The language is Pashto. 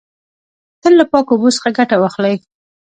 تل له پاکو اوبو څخه ګټه واخلی.